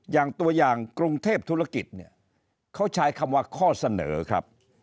อย่างตัวอย่างกรุงเทพธุรกิจเนี่ยเขาใช้คำว่าข้อเสนอครับ